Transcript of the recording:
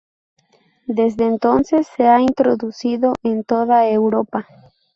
Desde entonces se ha introducido en toda Europa.